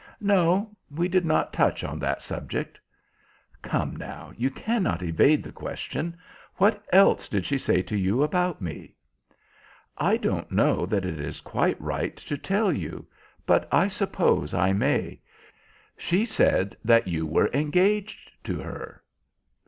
"No; we did not touch on that subject." "Come, now, you cannot evade the question. What else did she say to you about me?" "I don't know that it is quite right to tell you, but I suppose I may. She said that you were engaged to her."